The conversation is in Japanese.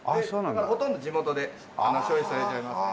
だからほとんど地元で消費されちゃいますね。